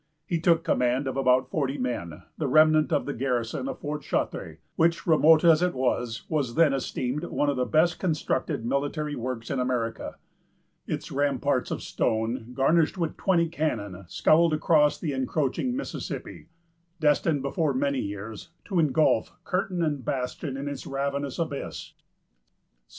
He took command of about forty men, the remnant of the garrison of Fort Chartres; which, remote as it was, was then esteemed one of the best constructed military works in America. Its ramparts of stone, garnished with twenty cannon, scowled across the encroaching Mississippi, destined, before many years, to ingulf curtain and bastion in its ravenous abyss. St.